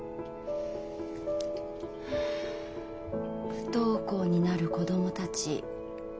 不登校になる子供たち。